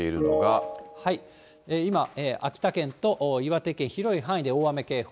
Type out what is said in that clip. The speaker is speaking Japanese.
今、秋田県と岩手県、広い範囲で大雨警報。